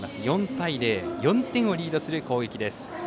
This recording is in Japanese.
４対０４点をリードする攻撃です。